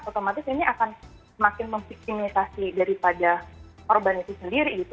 otomatis ini akan semakin memviktimisasi daripada korban itu sendiri gitu